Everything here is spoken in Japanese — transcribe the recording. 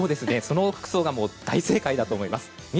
その服装が大正解だと思います。